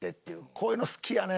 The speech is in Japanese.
こういうの好きやね。